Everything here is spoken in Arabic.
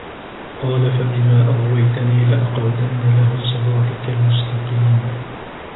قال فبما أغويتني لأقعدن لهم صراطك المستقيم